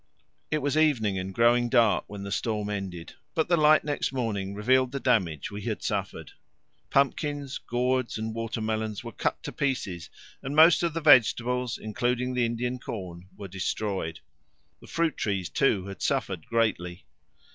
It was evening and growing dark when the storm ended, but the light next morning revealed the damage we had suffered. Pumpkins, gourds, and water melons were cut to pieces, and most of the vegetables, including the Indian corn, were destroyed. The fruit trees, too, had suffered greatly.